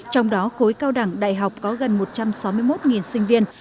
trong đó khối cao đẳng đại học có gần một trăm sáu mươi một sinh viên